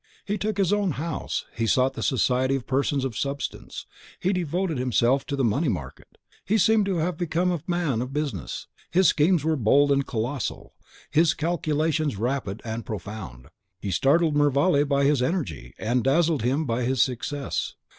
He took a house of his own; he sought the society of persons of substance; he devoted himself to the money market; he seemed to have become a man of business; his schemes were bold and colossal; his calculations rapid and profound. He startled Mervale by his energy, and dazzled him by his success.